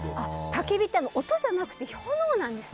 たき火って音じゃなくて炎なんですね。